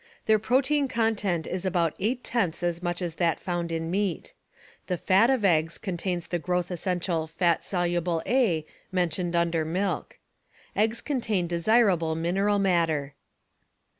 Their protein content is about eight tenths as much as that found in meat. The fat of eggs contains the growth essential "fat soluble A" mentioned under milk. Eggs contain desirable mineral matter.